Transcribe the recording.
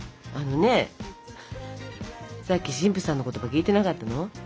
あのねさっき神父さんの言葉聞いてなかったの？